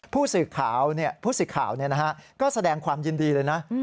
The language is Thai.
ผู้สิ่งข่าวก็แสดงความยินดีเลยนะ